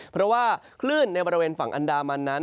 เพราะว่าคลื่นในบริเวณฝั่งอันดามันนั้น